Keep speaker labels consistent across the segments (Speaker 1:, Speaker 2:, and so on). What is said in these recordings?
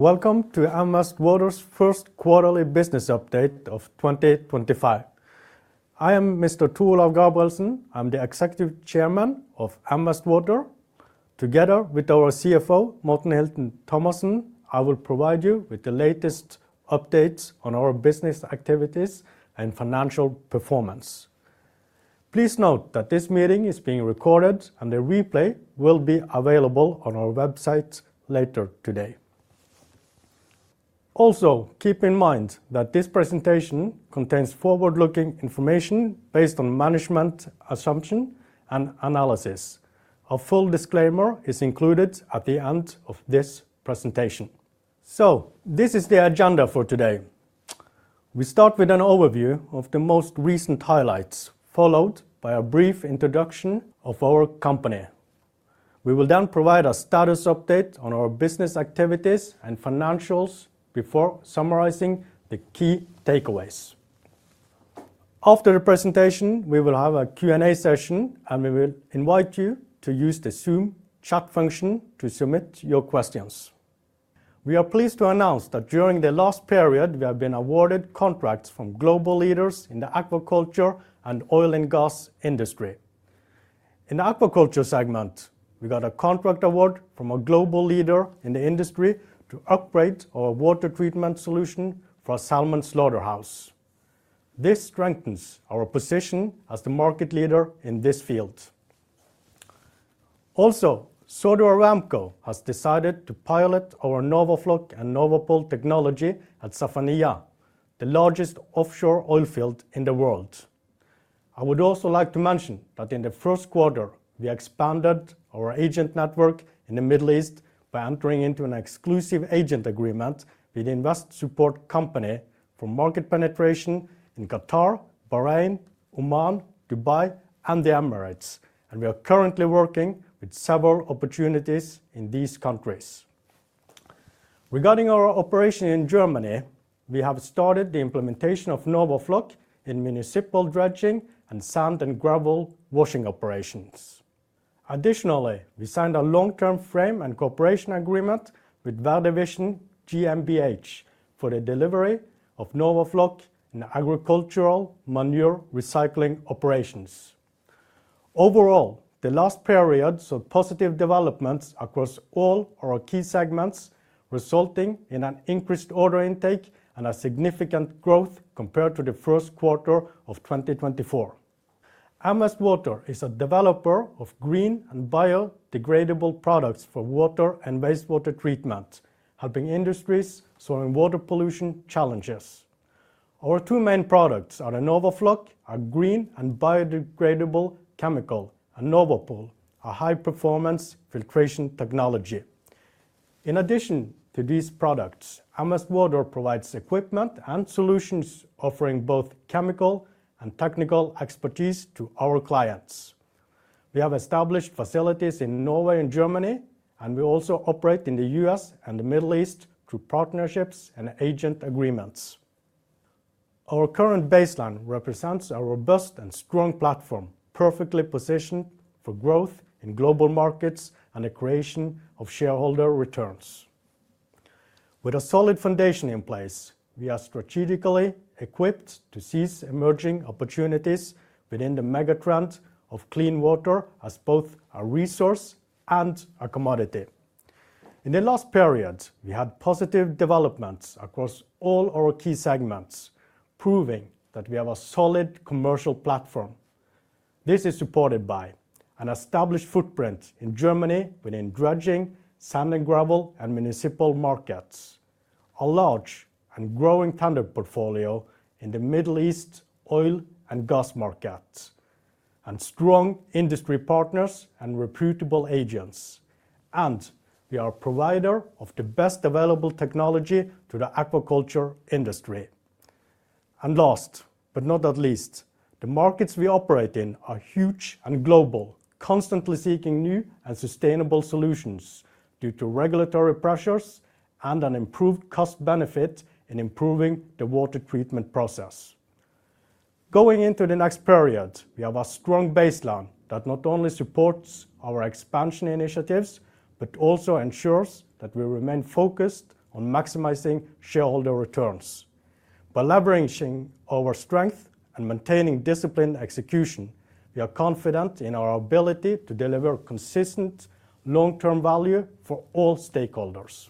Speaker 1: I am Tor Olav Gabrielsen. I'm the Executive Chairman of M Vest Water. Together with our CFO, Morten Hilton Thomassen, I will provide you with the latest updates on our business activities and financial performance. Please note that this meeting is being recorded, and the replay will be available on our website later today. Also, keep in mind that this presentation contains forward-looking information based on management assumptions and analysis. A full disclaimer is included at the end of this presentation. This is the agenda for today. We start with an overview of the most recent highlights, followed by a brief introduction of our company. We will then provide a status update on our business activities and financials before summarizing the key takeaways. After the presentation, we will have a Q&A session, and we will invite you to use the Zoom chat function to submit your questions. We are pleased to announce that during the last period, we have been awarded contracts from global leaders in the aquaculture and oil and gas industry. In the aquaculture segment, we got a contract award from a global leader in the industry to upgrade our water treatment solution for a salmon slaughterhouse. This strengthens our position as the market leader in this field. Also, Saudi Aramco has decided to pilot our NORWAFLOC and NORWAPOL technology at Safaniya, the largest offshore oil field in the world. I would also like to mention that in the first quarter, we expanded our agent network in the Middle East by entering into an exclusive agent agreement with the Invest Support Company for market penetration in Qatar, Bahrain, Oman, Dubai, and the Emirates, and we are currently working with several opportunities in these countries. Regarding our operation in Germany, we have started the implementation ofNORWAFLOC in municipal dredging and sand and gravel washing operations. Additionally, we signed a long-term frame and cooperation agreement with VerdeVision GmbH for the delivery of NORWAFLOC in agricultural manure recycling operations. Overall, the last period saw positive developments across all our key segments, resulting in an increased order intake and a significant growth compared to the first quarter of 2024. M Vest Water is a developer of green and biodegradable products for water and wastewater treatment, helping industries solving water pollution challenges. Our two main products, the NORWAFLOC, are green and biodegradable chemical, and NORWAPOL, a high-performance filtration technology. In addition to these products, M Vest Water provides equipment and solutions offering both chemical and technical expertise to our clients. We have established facilities in Norway and Germany, and we also operate in the U.S. and the Middle East through partnerships and agent agreements. Our current baseline represents a robust and strong platform, perfectly positioned for growth in global markets and the creation of shareholder returns. With a solid foundation in place, we are strategically equipped to seize emerging opportunities within the megatrend of clean water as both a resource and a commodity. In the last period, we had positive developments across all our key segments, proving that we have a solid commercial platform. This is supported by an established footprint in Germany within dredging, sand and gravel, and municipal markets, a large and growing tender portfolio in the Middle East oil and gas markets, and strong industry partners and reputable agents, and we are a provider of the best available technology to the aquaculture industry. Last but not the least, the markets we operate in are huge and global, constantly seeking new and sustainable solutions due to regulatory pressures and an improved cost benefit in improving the water treatment process. Going into the next period, we have a strong baseline that not only supports our expansion initiatives but also ensures that we remain focused on maximizing shareholder returns. By leveraging our strength and maintaining disciplined execution, we are confident in our ability to deliver consistent long-term value for all stakeholders.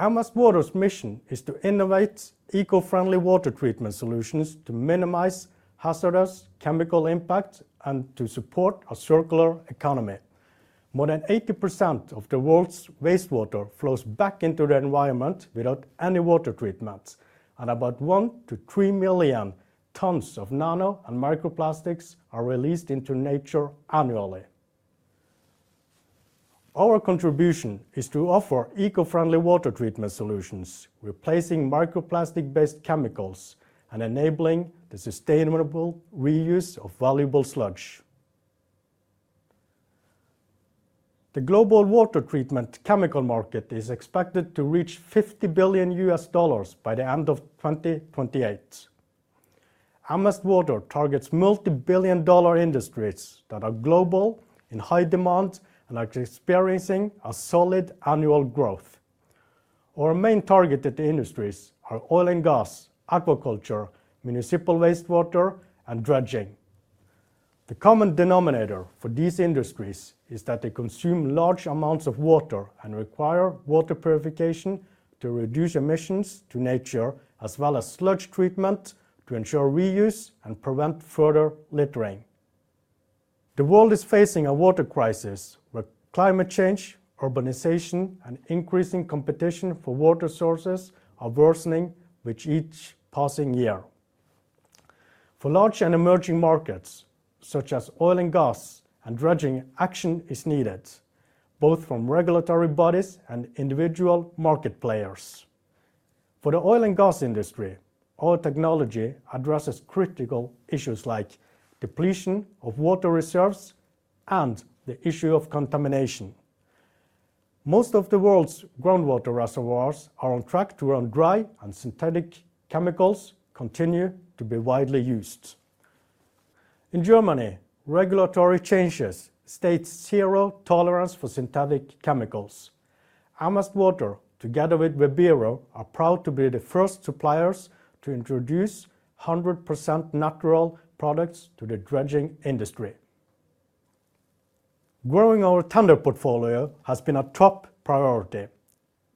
Speaker 1: M Vest Water's mission is to innovate eco-friendly water treatment solutions to minimize hazardous chemical impact and to support a circular economy. More than 80% of the world's wastewater flows back into the environment without any water treatment, and about 1-3 million tons of nano and microplastics are released into nature annually. Our contribution is to offer eco-friendly water treatment solutions, replacing microplastic-based chemicals and enabling the sustainable reuse of valuable sludge. The global water treatment chemical market is expected to reach $50 billion by the end of 2028. M Vest Water targets multi-billion dollar industries that are global, in high demand, and are experiencing a solid annual growth. Our main targeted industries are oil and gas, aquaculture, municipal wastewater, and dredging. The common denominator for these industries is that they consume large amounts of water and require water purification to reduce emissions to nature, as well as sludge treatment to ensure reuse and prevent further littering. The world is facing a water crisis where climate change, urbanization, and increasing competition for water sources are worsening with each passing year. For large and emerging markets such as oil and gas, dredging action is needed, both from regulatory bodies and individual market players. For the oil and gas industry, our technology addresses critical issues like depletion of water reserves and the issue of contamination. Most of the world's groundwater reservoirs are on track to run dry, and synthetic chemicals continue to be widely used. In Germany, regulatory changes state zero tolerance for synthetic chemicals. M Vest Water, together with VEBIRO, are proud to be the first suppliers to introduce 100% natural products to the dredging industry. Growing our tender portfolio has been a top priority.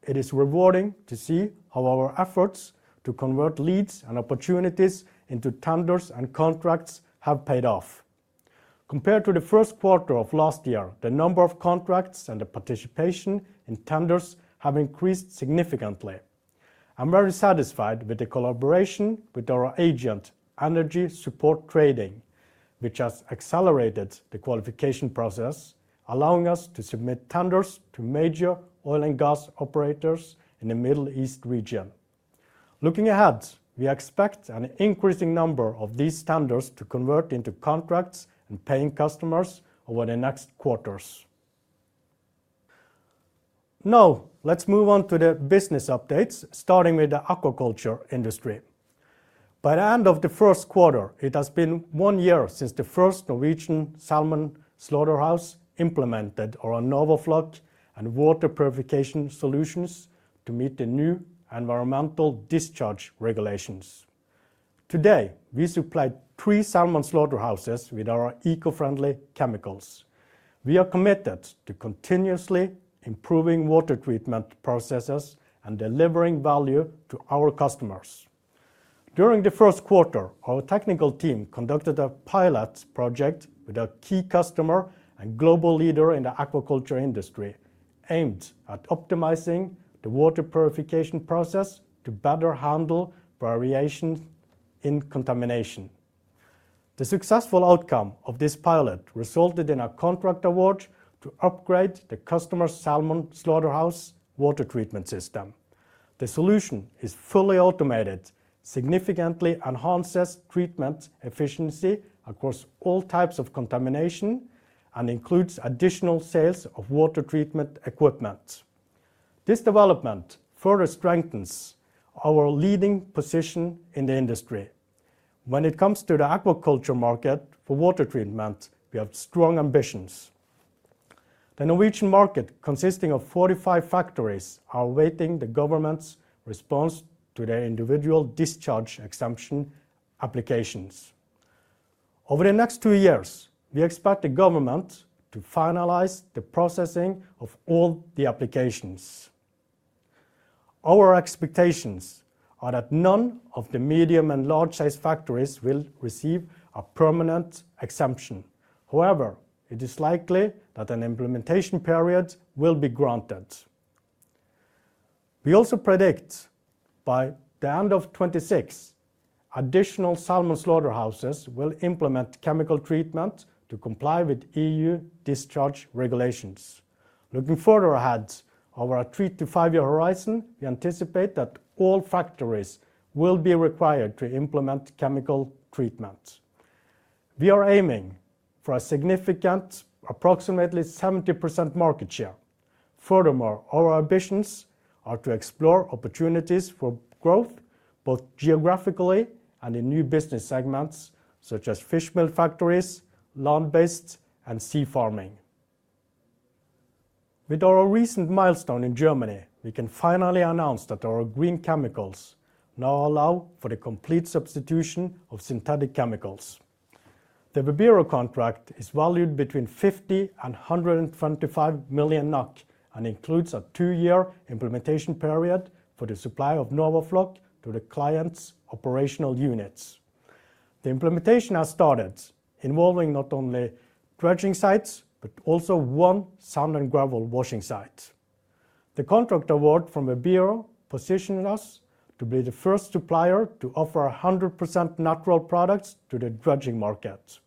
Speaker 1: It is rewarding to see how our efforts to convert leads and opportunities into tenders and contracts have paid off. Compared to the first quarter of last year, the number of contracts and the participation in tenders have increased significantly. I'm very satisfied with the collaboration with our agent, Energy Support Trading, which has accelerated the qualification process, allowing us to submit tenders to major oil and gas operators in the Middle East region. Looking ahead, we expect an increasing number of these tenders to convert into contracts and paying customers over the next quarters. Now, let's move on to the business updates, starting with the aquaculture industry. By the end of the first quarter, it has been one year since the first Norwegian salmon slaughterhouse implemented our NORWAFLOC and water purification solutions to meet the new environmental discharge regulations. Today, we supply three salmon slaughterhouses with our eco-friendly chemicals. We are committed to continuously improving water treatment processes and delivering value to our customers. During the first quarter, our technical team conducted a pilot project with a key customer and global leader in the aquaculture industry, aimed at optimizing the water purification process to better handle variations in contamination. The successful outcome of this pilot resulted in a contract award to upgrade the customer's salmon slaughterhouse water treatment system. The solution is fully automated, significantly enhances treatment efficiency across all types of contamination, and includes additional sales of water treatment equipment. This development further strengthens our leading position in the industry. When it comes to the aquaculture market for water treatment, we have strong ambitions. The Norwegian market, consisting of 45 factories, is awaiting the government's response to their individual discharge exemption applications. Over the next two years, we expect the government to finalize the processing of all the applications. Our expectations are that none of the medium and large-sized factories will receive a permanent exemption. However, it is likely that an implementation period will be granted. We also predict that by the end of 2026, additional salmon slaughterhouses will implement chemical treatment to comply with EU discharge regulations. Looking further ahead, over a three- to five-year horizon, we anticipate that all factories will be required to implement chemical treatment. We are aiming for a significant, approximately 70% market share. Furthermore, our ambitions are to explore opportunities for growth both geographically and in new business segments such as fishmeal factories, land-based, and sea farming. With our recent milestone in Germany, we can finally announce that our green chemicals now allow for the complete substitution of synthetic chemicals. The VEBIRO contract is valued between 50 million NOK and 125 million NOK and includes a two-year implementation period for the supply of NORWAFLOC to the client's operational units. The implementation has started, involving not only dredging sites but also one sand and gravel washing site. The contract award from VEBIRO positions us to be the first supplier to offer 100% natural products to the dredging market.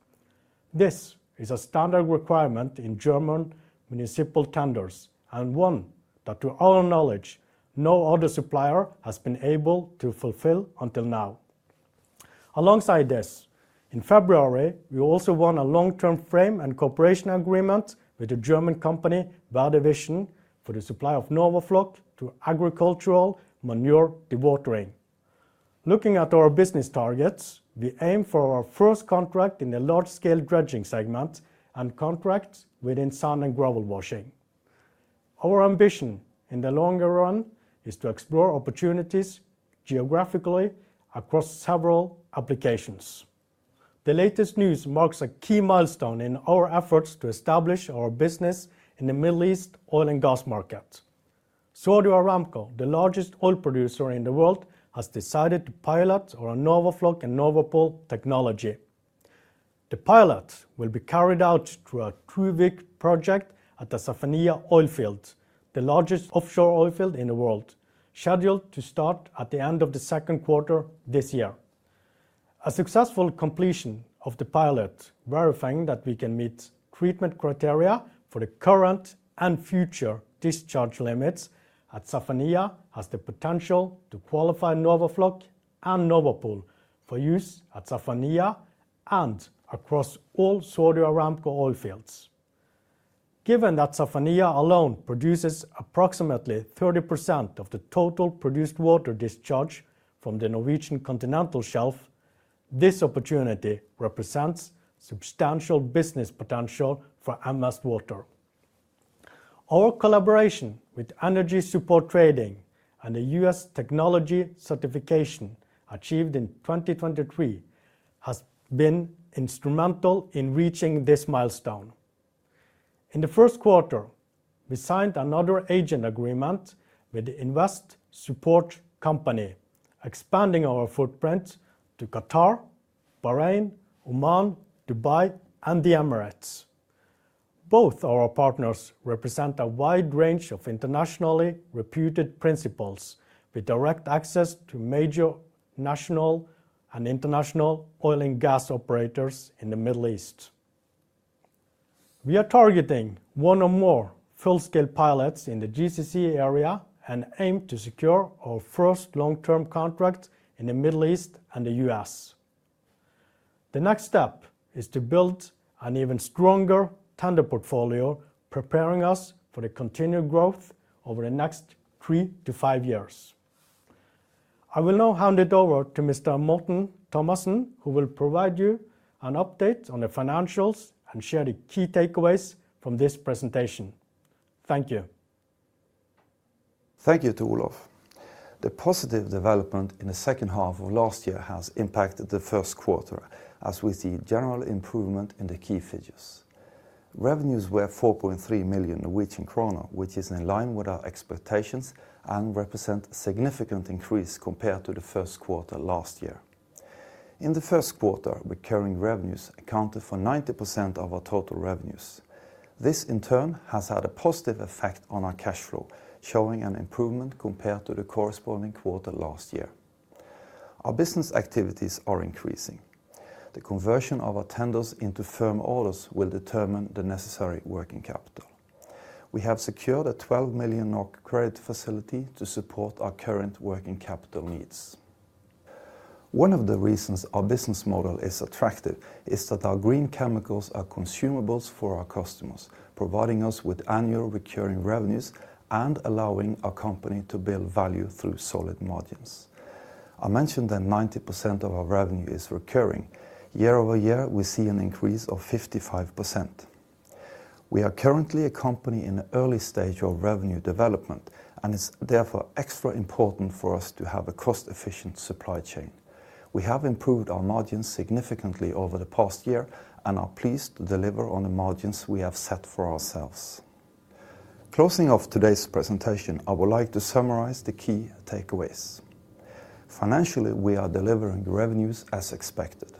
Speaker 1: This is a standard requirement in German municipal tenders and one that, to our knowledge, no other supplier has been able to fulfill until now. Alongside this, in February, we also won a long-term frame and cooperation agreement with the German company Verde Vision for the supply of NORWAFLOC to agricultural manure dewatering. Looking at our business targets, we aim for our first contract in the large-scale dredging segment and contracts within sand and gravel washing. Our ambition in the longer run is to explore opportunities geographically across several applications. The latest news marks a key milestone in our efforts to establish our business in the Middle East oil and gas market. Saudi Aramco, the largest oil producer in the world, has decided to pilot our NORWAFLOC and NORWAPOL technology. The pilot will be carried out through a two-week project at the Safaniya oil field, the largest offshore oil field in the world, scheduled to start at the end of the second quarter this year. A successful completion of the pilot, verifying that we can meet treatment criteria for the current and future discharge limits at Safaniya, has the potential to qualify NORWAFLOC and NORWAPOL for use at Safaniya and across all Saudi Aramco oil fields. Given that Safaniya alone produces approximately 30% of the total produced water discharge from the Norwegian continental shelf, this opportunity represents substantial business potential for M Vest Water. Our collaboration with Energy Support Trading and the U.S. technology certification achieved in 2023 has been instrumental in reaching this milestone. In the first quarter, we signed another agent agreement with the Invest Support Company, expanding our footprint to Qatar, Bahrain, Oman, Dubai, and the Emirates. Both our partners represent a wide range of internationally reputed principals with direct access to major national and international oil and gas operators in the Middle East. We are targeting one or more full-scale pilots in the GCC area and aim to secure our first long-term contract in the Middle East and the U.S. The next step is to build an even stronger tender portfolio, preparing us for the continued growth over the next three to five years. I will now hand it over to Mr. Morten Thomassen, who will provide you an update on the financials and share the key takeaways from this presentation. Thank you.
Speaker 2: Thank you to Olav. The positive development in the second half of last year has impacted the first quarter, as we see general improvement in the key figures. Revenues were 4.3 million Norwegian kroner, which is in line with our expectations and represents a significant increase compared to the first quarter last year. In the first quarter, recurring revenues accounted for 90% of our total revenues. This, in turn, has had a positive effect on our cash flow, showing an improvement compared to the corresponding quarter last year. Our business activities are increasing. The conversion of our tenders into firm orders will determine the necessary working capital. We have secured a 12 million NOK credit facility to support our current working capital needs. One of the reasons our business model is attractive is that our green chemicals are consumables for our customers, providing us with annual recurring revenues and allowing our company to build value through solid margins. I mentioned that 90% of our revenue is recurring. Year over year, we see an increase of 55%. We are currently a company in the early stage of revenue development, and it's therefore extra important for us to have a cost-efficient supply chain. We have improved our margins significantly over the past year and are pleased to deliver on the margins we have set for ourselves. Closing off today's presentation, I would like to summarize the key takeaways. Financially, we are delivering revenues as expected.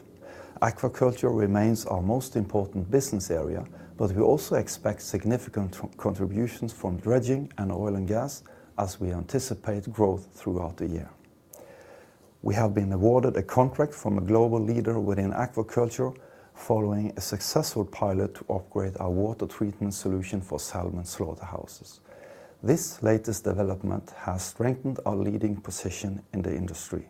Speaker 2: Aquaculture remains our most important business area, but we also expect significant contributions from dredging and oil and gas, as we anticipate growth throughout the year. We have been awarded a contract from a global leader within aquaculture, following a successful pilot to upgrade our water treatment solution for salmon slaughterhouses. This latest development has strengthened our leading position in the industry.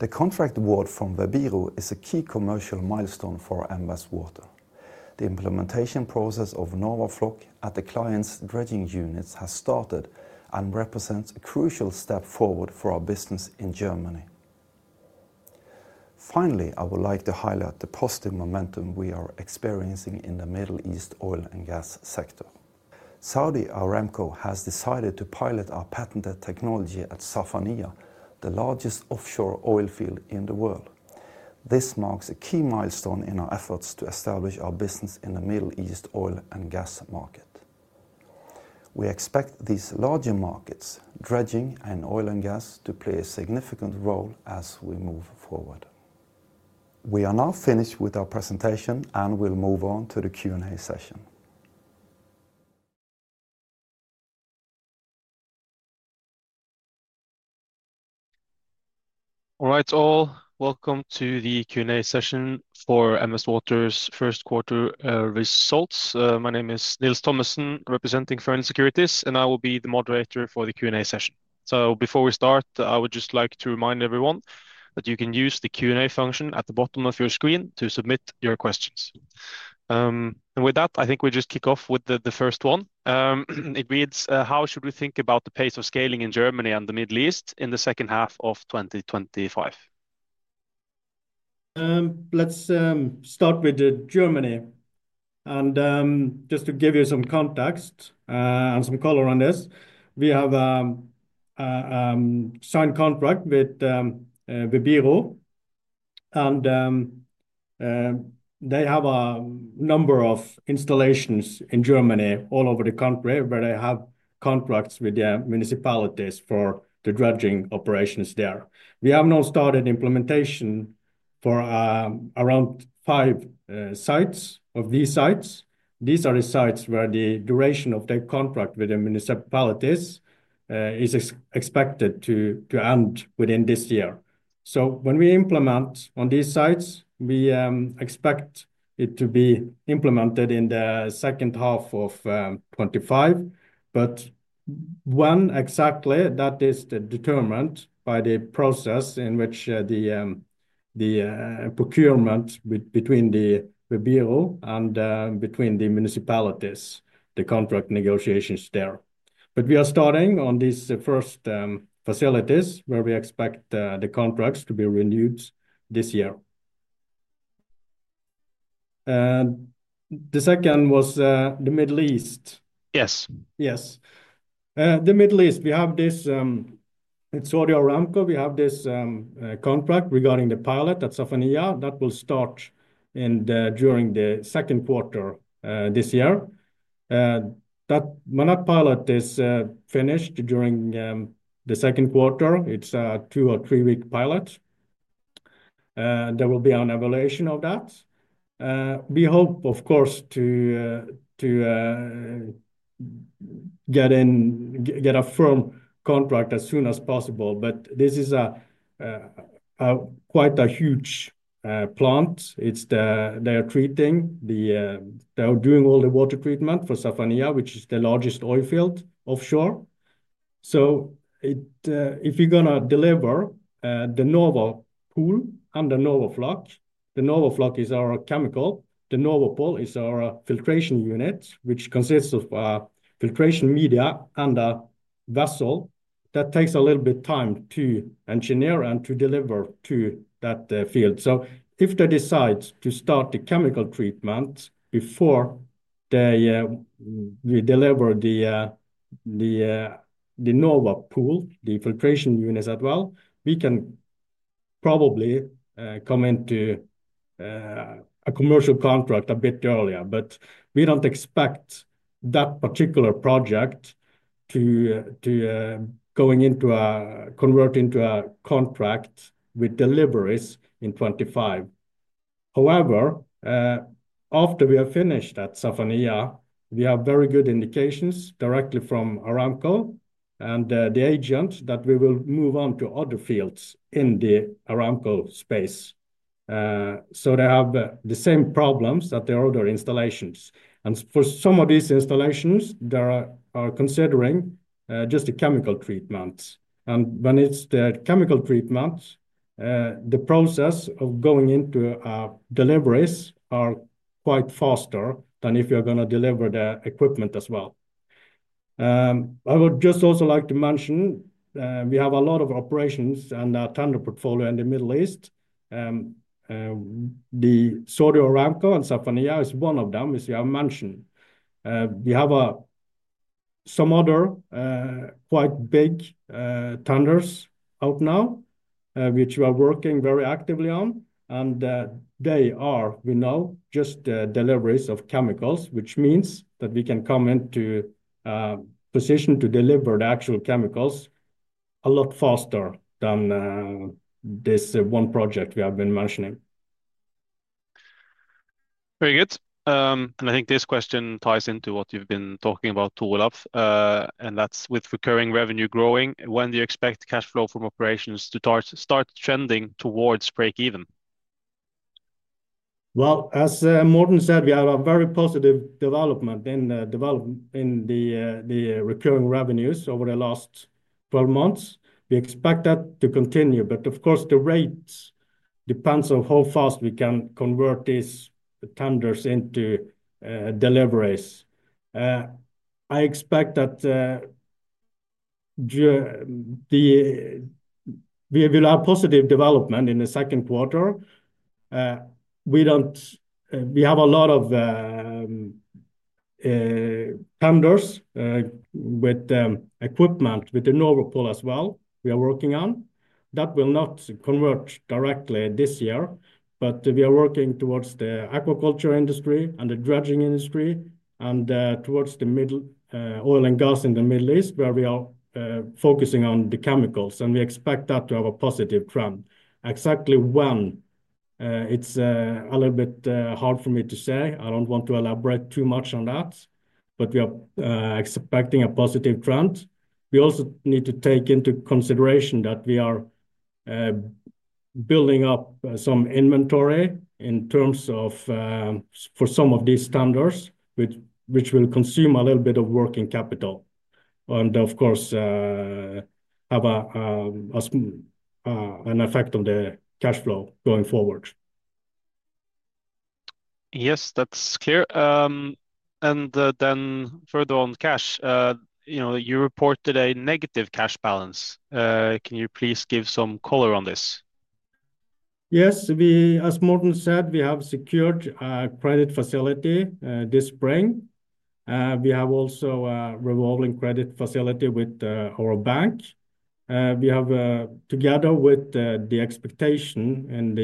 Speaker 2: The contract award from VEBIRO is a key commercial milestone for M Vest Water. The implementation process of NORWAFLOC at the client's dredging units has started and represents a crucial step forward for our business in Germany. Finally, I would like to highlight the positive momentum we are experiencing in the Middle East oil and gas sector. Saudi Aramco has decided to pilot our patented technology at Safaniya, the largest offshore oil field in the world. This marks a key milestone in our efforts to establish our business in the Middle East oil and gas market. We expect these larger markets, dredging and oil and gas, to play a significant role as we move forward. We are now finished with our presentation and will move on to the Q&A session.
Speaker 3: All right, all. Welcome to the Q&A session for M Vest Water's first quarter results. My name is Nils Thomassen, representing Fron Securities, and I will be the moderator for the Q&A session. Before we start, I would just like to remind everyone that you can use the Q&A function at the bottom of your screen to submit your questions. With that, I think we just kick off with the first one. It reads, how should we think about the pace of scaling in Germany and the Middle East in the second half of 2025?
Speaker 1: Let's start with Germany. Just to give you some context and some color on this, we have a signed contract with VEBIRO, and they have a number of installations in Germany, all over the country, where they have contracts with their municipalities for the dredging operations there. We have now started implementation for around five of these sites. These are the sites where the duration of the contract with the municipalities is expected to end within this year. When we implement on these sites, we expect it to be implemented in the second half of 2025. When exactly, that is determined by the process in which the procurement between VEBIRO and between the municipalities, the contract negotiations there. We are starting on these first facilities where we expect the contracts to be renewed this year. The second was the Middle East. Yes. The Middle East, we have this, it's Saudi Aramco, we have this contract regarding the pilot at Safaniya that will start during the second quarter this year. That pilot is finished during the second quarter. It's a two or three-week pilot. There will be an evaluation of that. We hope, of course, to get a firm contract as soon as possible, but this is quite a huge plant. They are treating, they are doing all the water treatment for Safaniya, which is the largest oil field offshore. If you're going to deliver the NORWAPOL and the NORWAFLOC, the NORWAFLOC is our chemical, the NORWAPOL is our filtration unit, which consists of a filtration media and a vessel that takes a little bit of time to engineer and to deliver to that field. If they decide to start the chemical treatment before they deliver the NORWAPOL, the filtration unit as well, we can probably come into a commercial contract a bit earlier. We do not expect that particular project to go into a, convert into a contract with deliveries in 2025. However, after we are finished at Safaniya, we have very good indications directly from Aramco and the agent that we will move on to other fields in the Aramco space. They have the same problems that they order installations. For some of these installations, they are considering just a chemical treatment. When it is the chemical treatment, the process of going into deliveries is quite faster than if you are going to deliver the equipment as well. I would just also like to mention we have a lot of operations and a tender portfolio in the Middle East. Saudi Aramco and Safaniya is one of them, as you have mentioned. We have some other quite big tenders out now, which we are working very actively on. They are, we know, just deliveries of chemicals, which means that we can come into position to deliver the actual chemicals a lot faster than this one project we have been mentioning. Very good.
Speaker 3: I think this question ties into what you've been talking about, Olav, and that's with recurring revenue growing. When do you expect cash flow from operations to start trending towards break-even?
Speaker 1: As Morten said, we have a very positive development in the recurring revenues over the last 12 months. We expect that to continue. Of course, the rate depends on how fast we can convert these tenders into deliveries. I expect that we will have positive development in the second quarter. We have a lot of tenders with equipment with the NORWAPOL as well we are working on. That will not convert directly this year, but we are working towards the aquaculture industry and the dredging industry and towards the oil and gas in the Middle East, where we are focusing on the chemicals. We expect that to have a positive trend. Exactly when, it's a little bit hard for me to say. I don't want to elaborate too much on that, but we are expecting a positive trend. We also need to take into consideration that we are building up some inventory in terms of for some of these tenders, which will consume a little bit of working capital. Of course, have an effect on the cash flow going forward.
Speaker 3: Yes, that's clear. Further on cash, you reported a negative cash balance. Can you please give some color on this?
Speaker 1: Yes, as Morten said, we have secured a credit facility this spring. We have also a revolving credit facility with our bank. We have, together with the expectation in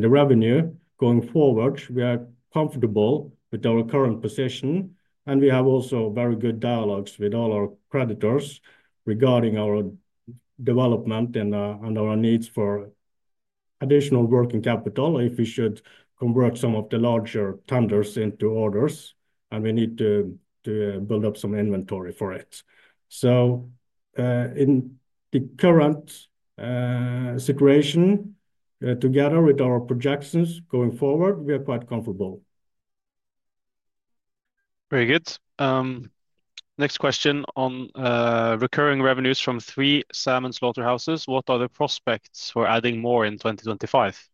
Speaker 1: the revenue going forward, we are comfortable with our current position. We have also very good dialogues with all our creditors regarding our development and our needs for additional working capital if we should convert some of the larger tenders into orders. We need to build up some inventory for it. In the current situation, together with our projections going forward, we are quite comfortable. Very good. Next question on recurring revenues from three salmon slaughterhouses. What are the prospects for adding more in 2025?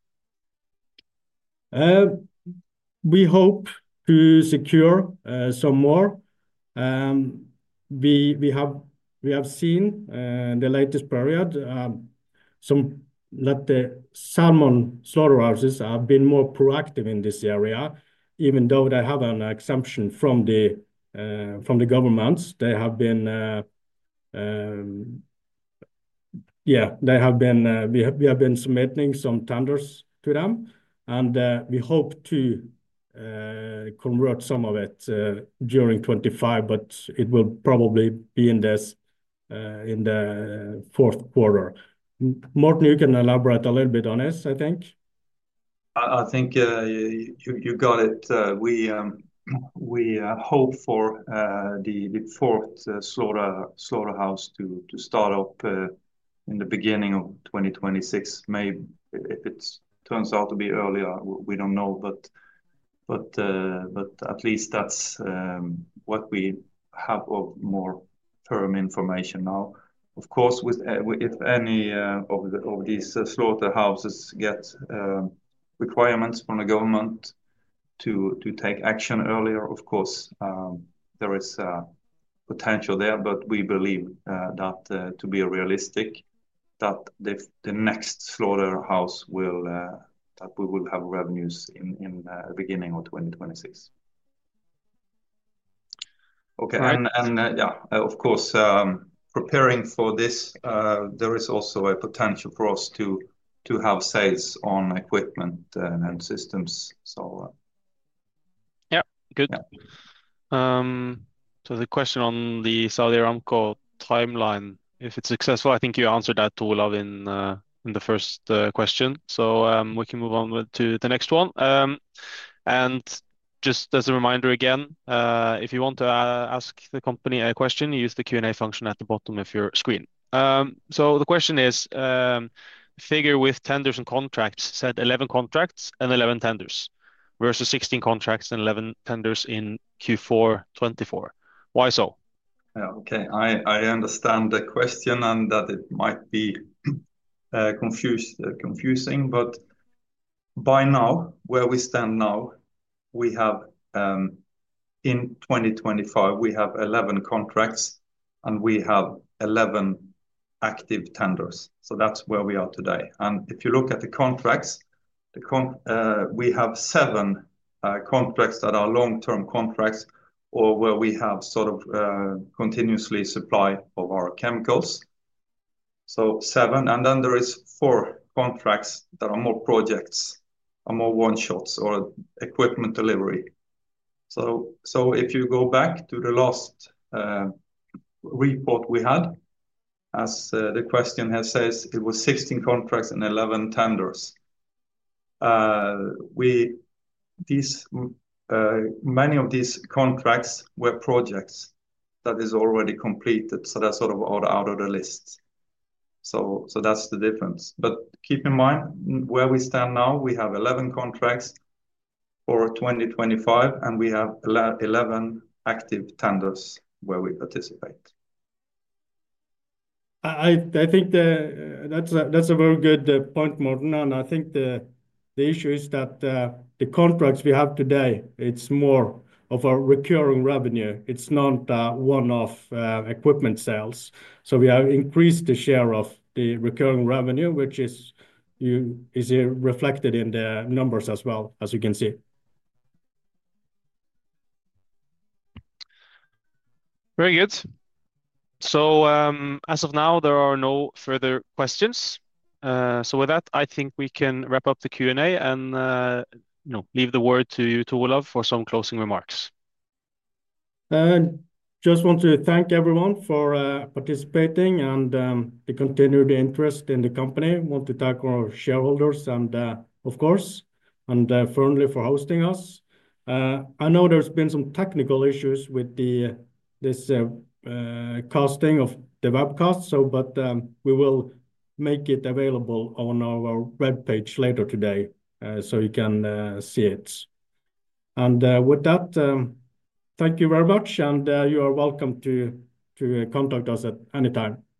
Speaker 1: We hope to secure some more. We have seen in the latest period that the salmon slaughterhouses have been more proactive in this area, even though they have an exemption from the government. They have been, yeah, they have been, we have been submitting some tenders to them. We hope to convert some of it during 2025, but it will probably be in the fourth quarter. Morten, you can elaborate a little bit on this, I think.
Speaker 2: I think you got it. We hope for the fourth slaughterhouse to start up in the beginning of 2026. Maybe if it turns out to be earlier, we do not know. At least that is what we have of more firm information now. Of course, if any of these slaughterhouses get requirements from the government to take action earlier, there is potential there. We believe that to be realistic, that the next slaughterhouse will, that we will have revenues in the beginning of 2026. Okay. Of course, preparing for this, there is also a potential for us to have sales on equipment and systems.
Speaker 3: Yeah. Good. The question on the Saudi Aramco timeline, if it is successful, I think you answered that, Olav, in the first question. We can move on to the next one. Just as a reminder again, if you want to ask the company a question, use the Q&A function at the bottom of your screen. The question is, figure with tenders and contracts said 11 contracts and 11 tenders versus 16 contracts and 11 tenders in Q4 2024. Why so? Okay.
Speaker 2: I understand the question and that it might be confusing. By now, where we stand now, we have in 2025, we have 11 contracts and we have 11 active tenders. That is where we are today. If you look at the contracts, we have seven contracts that are long-term contracts or where we have sort of continuously supply of our chemicals, so 7. Then there are 4 contracts that are more projects and more one-shots or equipment delivery. If you go back to the last report we had, as the question says, it was 16 contracts and 11 tenders. Many of these contracts were projects that are already completed. That's sort of out of the list. That's the difference. Keep in mind where we stand now, we have 11 contracts for 2025, and we have 11 active tenders where we participate.
Speaker 1: I think that's a very good point, Morten. I think the issue is that the contracts we have today, it's more of a recurring revenue. It's not one-off equipment sales. We have increased the share of the recurring revenue, which is reflected in the numbers as well, as you can see.
Speaker 3: Very good. As of now, there are no further questions. With that, I think we can wrap up the Q&A and leave the word to Olav for some closing remarks.
Speaker 1: I just want to thank everyone for participating and to continue the interest in the company. I want to thank our shareholders and, of course, Fernley for hosting us. I know there have been some technical issues with this casting of the webcast, but we will make it available on our web page later today so you can see it. With that, thank you very much. You are welcome to contact us at any time.